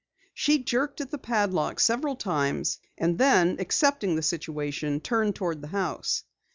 She jerked at the padlock several times, and then accepting the situation, turned toward the house.